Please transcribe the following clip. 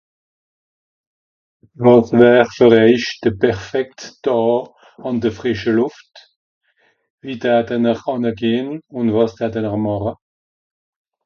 Wàs wär fer èich de perfekt Dàà, àn de frìsche Lùft ? Wie date-n-r ànne gehn ùn wàs date-n-r màcha ?